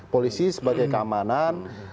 polisi sebagai keamanan